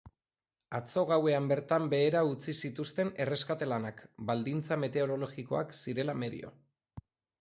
Atzo gauean bertan behera utzi zituzten erreskate lanak, baldintza meteorologikoak zirela medio.